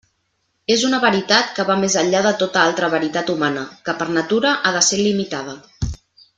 És una veritat que va més enllà de tota altra veritat humana, que per natura ha de ser limitada.